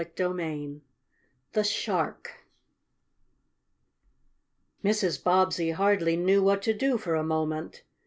CHAPTER VII THE SHARK Mrs. Bobbsey hardly knew what to do for a moment.